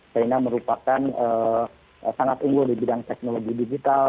china merupakan sangat unggul di bidang teknologi digital